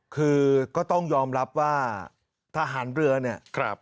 คือก็ต้องยอมรับว่าทหารเรือเนี่ย